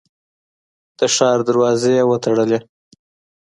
د ښار دروازې یې وتړلې.